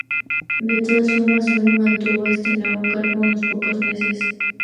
De todas formas sólo mantuvo este nuevo cargo unos pocos meses.